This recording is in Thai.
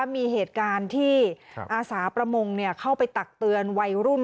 มีเหตุการณ์ที่อาสาประมงเข้าไปตักเตือนวัยรุ่น